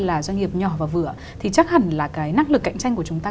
là doanh nghiệp nhỏ và vừa thì chắc hẳn là cái năng lực cạnh tranh của chúng ta